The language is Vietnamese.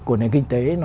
của nền kinh tế